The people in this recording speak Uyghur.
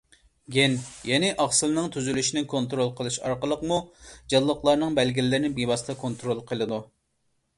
گېن يەنە ئاقسىلنىڭ تۈزۈلۈشىنى كونترول قىلىش ئارقىلىقمۇ جانلىقلارنىڭ بەلگىلىرىنى بىۋاسىتە كونترول قىلىدۇ.